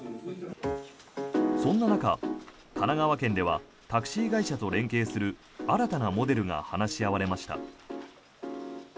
そんな中、神奈川県ではタクシー会社と連携する新たなモデルが話し合われました。